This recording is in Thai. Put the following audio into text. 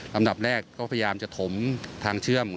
อันดับแรกก็พยายามจะถมทางเชื่อม